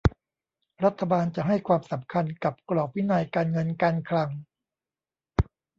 รัฐบาลจะให้ความสำคัญกับกรอบวินัยการเงินการคลัง